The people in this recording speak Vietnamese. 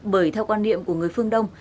bởi theo quan niệm của người phương đông